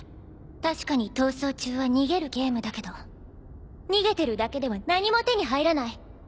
確かに逃走中は逃げるゲームだけど逃げてるだけでは何も手に入らない。